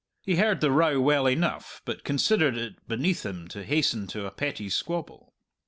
He heard the row well enough, but considered it beneath him to hasten to a petty squabble.